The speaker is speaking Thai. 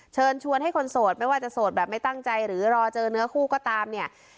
เชิญชวนให้คนโสดไม่ว่าจะโสดแบบไม่ตั้งใจหรือรอเจอเนื้อคู่ก็ตามเนี่ย